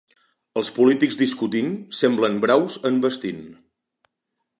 Els polítics discutint semblen braus envestint.